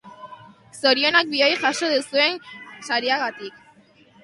Zorionak bioi jaso duzuen sariagatik.